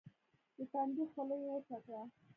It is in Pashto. د تندي خوله يې وچه کړه.